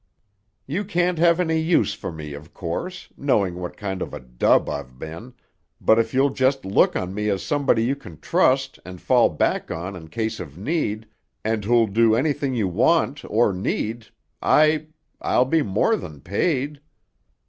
You can't have any use for me, of course, knowing what kind of a dub I've been, but if you'll just look on me as somebody you can trust and fall back on in case of need, and who'll do anything you want or need, I—I'll be more than paid."